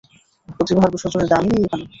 প্রতিভা আর বিসর্জনের দাম-ই নেই এখানে।